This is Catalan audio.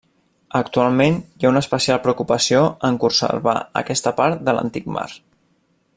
Actualment hi ha una especial preocupació en conservar aquesta part de l'antic mar.